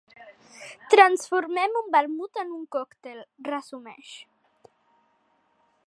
Transformem un vermut en un còctel, resumeix.